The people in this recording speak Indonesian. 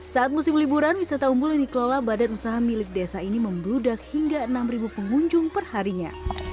saat musim liburan wisata umbul yang dikelola badan usaha milik desa ini membludak hingga enam pengunjung perharinya